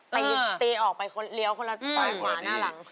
ตีตีออกไปเลี้ยวคนละซ้ายขวาหน้าหลัง